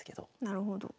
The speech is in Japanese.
なるほど。